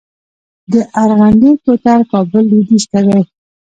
د ارغندې کوتل کابل لویدیځ ته دی